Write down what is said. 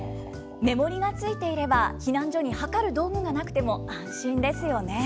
目盛りがついていれば、避難所に量る道具がなくても安心ですよね。